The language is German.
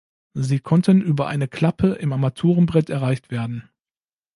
Sie konnten über eine Klappe im Armaturenbrett erreicht werden.